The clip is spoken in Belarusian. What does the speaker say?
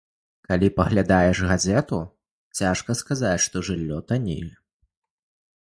Калі праглядаеш газету, цяжка сказаць, што жыллё таннее.